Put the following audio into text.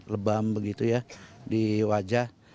lebam begitu ya di wajah